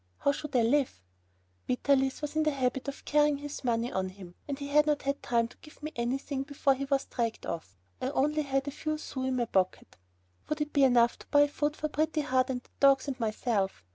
How should I live? Vitalis was in the habit of carrying his money on him, and he had not had time to give me anything before he was dragged off. I had only a few sous in my pocket. Would it be enough to buy food for Pretty Heart, the dogs, and myself?